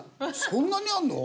そんなにあるの？